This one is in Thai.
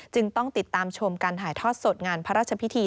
ต้องติดตามชมการถ่ายทอดสดงานพระราชพิธี